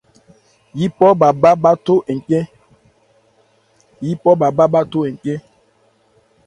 Yípɔ bhâ bhá bháthó ncɛn.